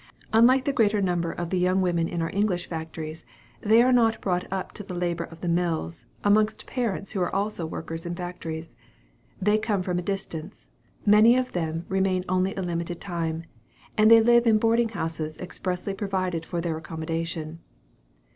Unlike the greater number of the young women in our English factories, they are not brought up to the labor of the mills, amongst parents who are also workers in factories. They come from a distance; many of them remain only a limited time; and they live in boarding houses expressly provided for their accommodation.